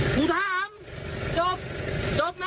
กูถามจบจบนะ